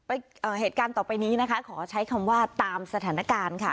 เอ่อเหตุการณ์ต่อไปนี้นะคะขอใช้คำว่าตามสถานการณ์ค่ะ